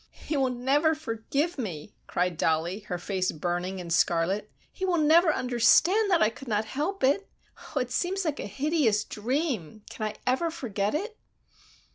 "He will never forgive me," cried Dollie, her face burning and scarlet. "He will never understand that I could not help it! Oh, it seems like a hideous dream! Can I ever forget it?"